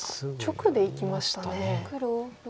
直でいきましたね。